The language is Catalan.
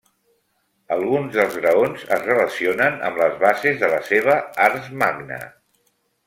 Alguns dels graons es relacionen amb les bases de la seva Ars magna.